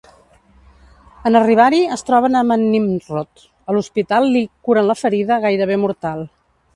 En arribar-hi es troben amb en Nimrod. A l'hospital, li curen la ferida gairebé mortal.